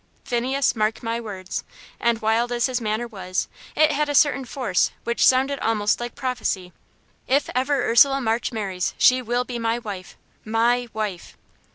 Phineas, mark my words" and, wild as his manner was, it had a certain force which sounded almost like prophecy "if ever Ursula March marries she will be my wife MY wife!"